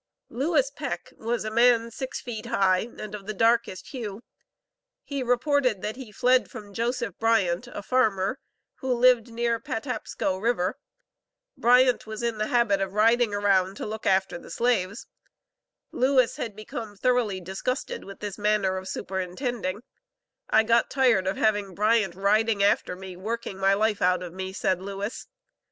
Lewis Peck was a man six feet high, and of the darkest hue. He reported that he fled from Joseph Bryant, a farmer, who lived near Patapsco River. Bryant was in the habit of riding around to look after the slaves. Lewis had become thoroughly disgusted with this manner of superintending. "I got tired of having Bryant riding after me, working my life out of me," said Lewis.